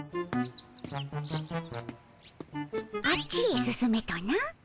あっちへ進めとな？